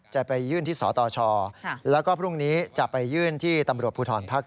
จะไปยื่นที่สตชแล้วก็พรุ่งนี้จะไปยื่นที่ตำรวจภูทรภาค๗